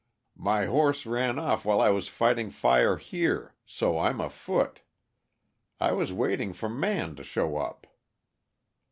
"My horse ran off while I was fighting fire here, so I'm afoot. I was waiting for Man to show up."